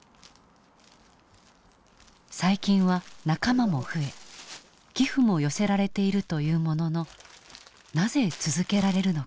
最近は仲間も増え寄付も寄せられているというもののなぜ続けられるのか。